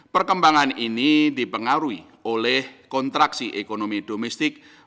perkembangan ini dipengaruhi oleh kontraksi ekonomi domestik